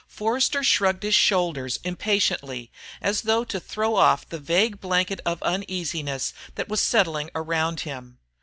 Forster shrugged his shoulders impatiently, as though to throw off the vague blanket of uneasiness that was settling around him.